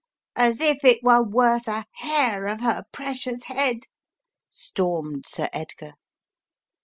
As if it were worth a hair of her precious head!" stormed Sir Edgar.